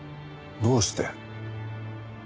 どうして？